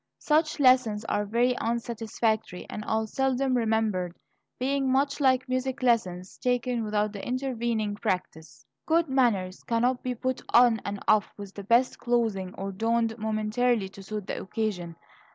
Such lessons are very unsatisfactory, and are seldom remembered, being much like music lessons taken without the intervening practise. Good manners cannot be put on and off with the best clothing, or donned momentarily to suit the occasion.